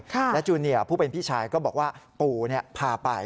และจูเนียร์ผู้เป็นพี่ชายก็บอกว่าปู่พาไป